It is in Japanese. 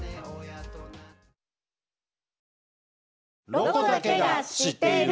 「ロコだけが知っている」。